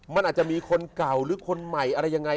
มันอาจจะมีคนเก่าหรือคนใหม่อะไรยังไง